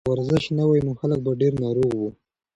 که ورزش نه وای نو خلک به ډېر ناروغه وو.